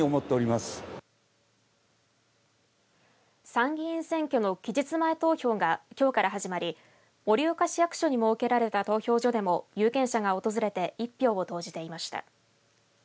参議院選挙の期日前投票がきょうから始まり盛岡市役所に設けられた投票所でも有権者が訪れて１票を投じていました。